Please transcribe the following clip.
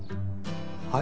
はい？